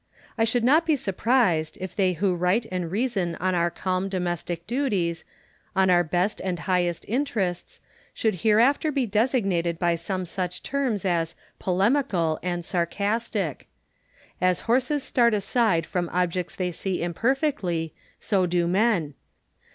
I should not be surprised, if they who write and reason on our culm domestic duties, on our best and highest interests, should hereafter be designated by some such terms as 2^olemical and sarcastic. As horses start aside from objects they see imperfectly, so do men.